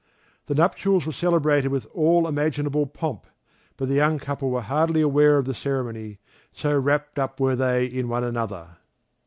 The nuptials were celebrated with all imaginable pomp, but the young couple were hardly aware of the ceremony, so wrapped up were they in one another.